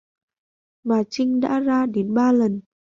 Mà chinh đã ra đến ba lần